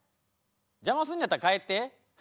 邪魔すんのやったら帰って？